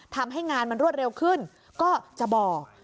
ทำให้งานมันรวดเร็วขึ้นก็จะบอก